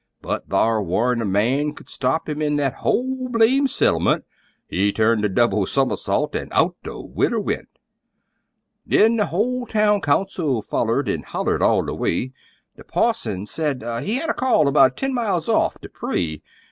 But thar' warn't a man could stop him in that whole blame settlement. He turned a double summersault an' out the winder went! Then, the whole town council follered an' hollered all the way; The parson said he had a call 'bout ten miles off, to pray!